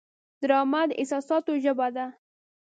ډرامه د احساساتو ژبه ده